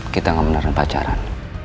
kita gak beneran pacaran